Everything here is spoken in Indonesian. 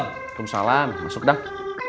waalaikumsalam masuk dah